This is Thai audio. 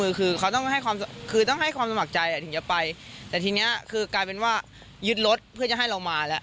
คือคือเขาต้องให้ความคือต้องให้ความสมัครใจถึงจะไปแต่ทีนี้คือกลายเป็นว่ายึดรถเพื่อจะให้เรามาแล้ว